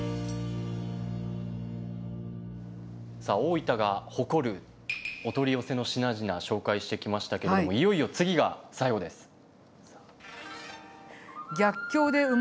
さあ大分が誇るお取り寄せの品々紹介してきましたけれどもいよいよ次が最後です。